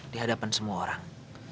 di hadapan semua orang